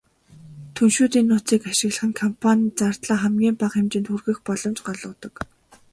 Түншүүдийн нууцыг ашиглах нь компани зардлаа хамгийн бага хэмжээнд хүргэх боломж олгодог.